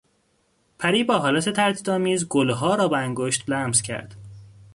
پری با حالت تردیدآمیز گلها را با انگشت لمس کرد.